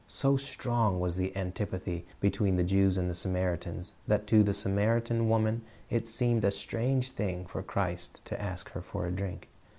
So strong was the antipathy between the Jews and the Samaritans that to the Samaritan woman it seemed a strange thing for Christ to ask her for a drink.